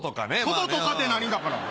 トドとかって何？だから。